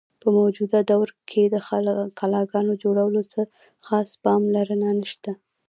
په موجوده دور کښې د قلاګانو جوړولو څۀ خاص پام لرنه نشته۔